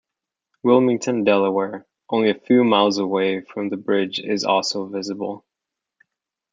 Wilmington, Delaware, only a few miles away from the bridge, is also visible.